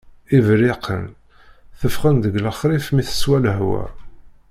Iberriqen teffɣen-d deg lexrif mi teṣḥa lehwa.